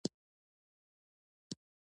زور چلوي